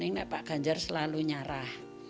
enggak pak ganjar selalu nyarah